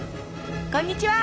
こんにちは！